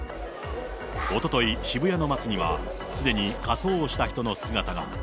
おととい、渋谷の街には、すでに仮装をした人の姿が。